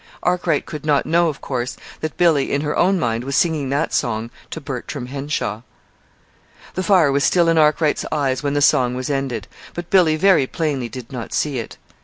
Arkwright could not know, of course, that Billy, in her own mind, was singing that song to Bertram Henshaw. The fire was still in Arkwright's eyes when the song was ended; but Billy very plainly did not see it.